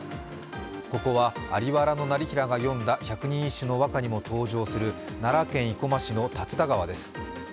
ここは在原業平が詠んだ百人一首の和歌にも登場する奈良県生駒市の竜田川です。